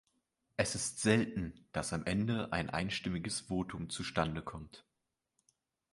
Es ist selten, dass am Ende ein einstimmiges Votum zustande kommt.